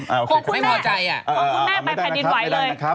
โอเคค่ะไม่พอใจอะโอเคค่ะไม่ได้นะครับไม่ได้นะครับ